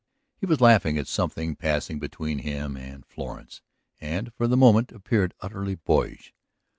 He was laughing at something passing between him and Florence, and for the moment appeared utterly boyish.